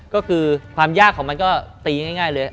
ก็คือความยากของมันก็ตีง่ายเลย